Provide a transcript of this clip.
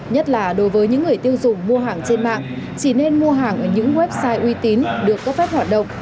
nhất là đối với những người tiêu dùng mua hàng trên mạng chỉ nên mua hàng ở những website uy tín được cấp phép hoạt động